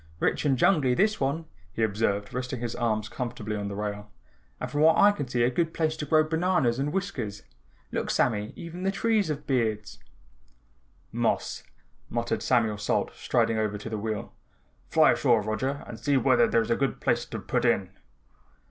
"Rich and jungly, this one," he observed, resting his arms comfortably on the rail, "and from what I can see a good place to grow bananas and whiskers. Look, Sammy, even the trees have beards." "Moss," muttered Samuel Salt striding over to the wheel. "Fly ashore Roger and see whether there's a good place to put in."